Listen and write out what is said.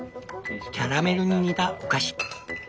キャラメルに似たお菓子。